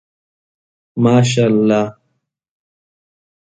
ماشاءالله